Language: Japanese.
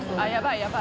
やばい。